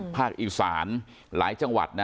ภาคอีสานหลายจังหวัดนะ